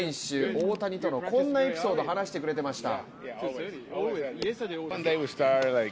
大谷とのこんなエピソード話してくれていました。